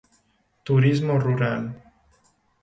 Turismo rural.